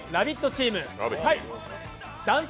チーム対男性